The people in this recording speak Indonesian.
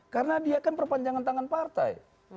karena dia kan perpanjangan tangan partai